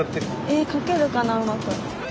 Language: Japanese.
え描けるかなうまく。